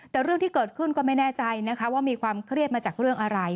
แต่เรื่องที่เกิดขึ้นก็ไม่แน่ใจนะคะว่ามีความเครียดมาจากเรื่องอะไร